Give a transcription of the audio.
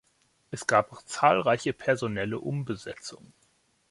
Es gab zahlreiche personelle Umbesetzungen.